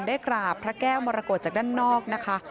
กราบพระแก้วมรกฏจากด้านนอกนะคะ